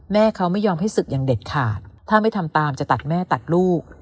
แม่เขาไม่ยอมให้ศึกอย่างเด็ดขาดถ้าไม่ทำตามจะตัดแม่ตัดลูก